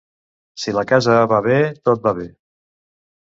Si la casa va bé, tot va bé.